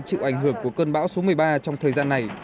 chịu ảnh hưởng của cơn bão số một mươi ba trong thời gian này